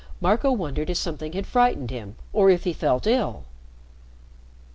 Marco wondered if something had frightened him, or if he felt ill.